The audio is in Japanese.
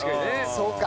そうか。